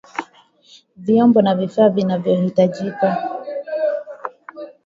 Vyombo na vifaa vinavyahitajika